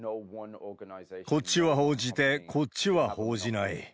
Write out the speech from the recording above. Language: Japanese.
こっちは報じて、こっちは報じない。